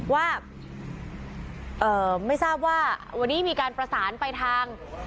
ว่าไม่ทราบว่าวันนี้มีการประสานไปทาง